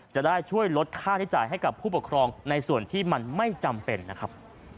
จะได้ช่วยลดค่าใช้จ่ายให้กับผู้ปกครองในส่วนที่มันไม่จำเป็นนะครับ